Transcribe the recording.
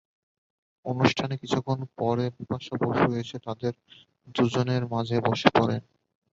অনুষ্ঠানে কিছুক্ষণ পরে বিপাশা বসু এসে তাঁদের দুজনের মাঝে বসে পড়েন।